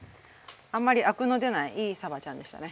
あんまりアクの出ないいいさばちゃんでしたね。